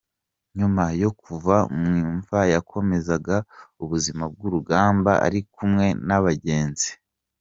Nyuma yo kuva mu imva yakomezaga ubuzima bw’urugamba ari kumwe na bagenzi.